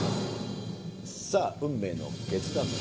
さあ、運命の決断。